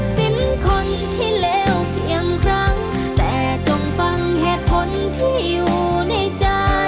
สินคนที่แล้วเพียงครั้งแต่จงฟังเหตุผลที่อยู่ในใจ